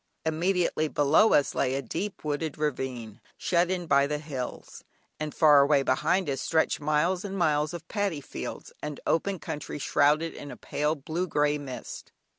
Immediately below us lay a deep wooded ravine, shut in by the hills, and far away behind us stretched miles and miles of paddy fields and open country shrouded in a pale blue grey mist.